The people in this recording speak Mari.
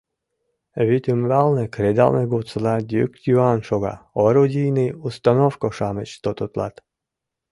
Вӱд ӱмбалне кредалме годсыла йӱк-йӱан шога: орудийный установко-шамыч тототлат.